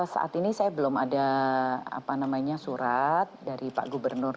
saat ini saya belum ada surat dari pak gubernur